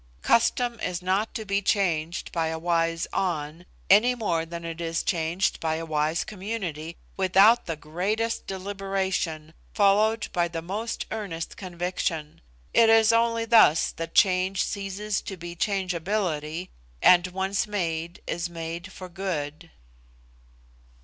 Custom is not to be changed by a wise An, any more than it is changed by a wise Community, without the greatest deliberation, followed by the most earnest conviction. It is only thus that change ceases to be changeability, and once made is made for good."